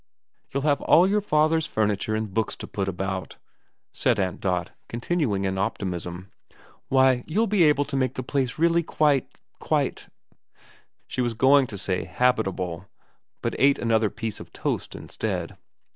' You'll have all your father's furniture and books to put about,' said Aunt Dot, continuing in optimism. *Why, you'll be able to make the place really quite quite ' She was going to say habitable, but ate another piece of toast instead.